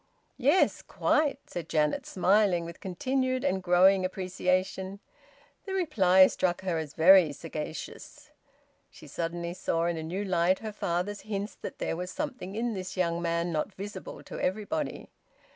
"Yes, quite!" said Janet, smiling with continued and growing appreciation. The reply struck her as very sagacious. She suddenly saw in a new light her father's hints that there was something in this young man not visible to everybody.